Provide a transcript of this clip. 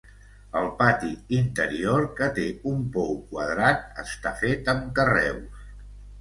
El pati interior -que té un pou quadrat- està fet amb carreus.